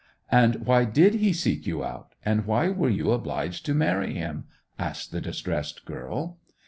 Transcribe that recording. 'And why did he seek you out—and why were you obliged to marry him?' asked the distressed girl.